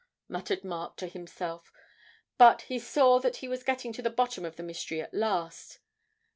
muttered Mark to himself, but he saw that he was getting to the bottom of the mystery at last.